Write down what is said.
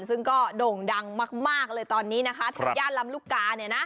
ซึ่งก็โด่งดังมากเลยตอนนี้นะคะแถวย่านลำลูกกา